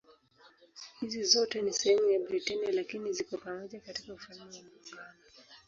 Hizi zote si sehemu ya Britania lakini ziko pamoja katika Ufalme wa Muungano.